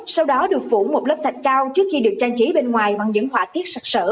sau đó được phủ một lớp thạch cao trước khi được trang trí bên ngoài bằng những họa tiết sạch sở